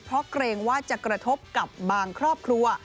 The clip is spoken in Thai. เพราะเกรงว่าจะกระทบกับบางครอบครัว